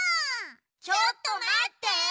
ちょっとまって！